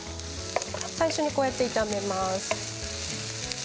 最初に、こうやって炒めます。